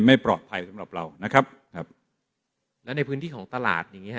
ไม่ปลอดภัยสำหรับเรานะครับครับและในพื้นที่ของตลาดอย่างงี้ฮ